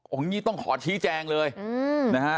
ของอันนี้ต้องขอชี้แจงนะฮะ